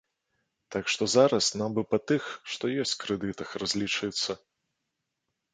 Так што зараз нам бы па тых, што ёсць, крэдытах разлічыцца.